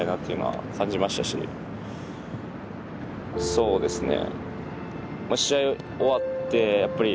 そうですね。